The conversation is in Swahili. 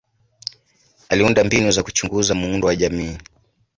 Aliunda mbinu za kuchunguza muundo wa jamii.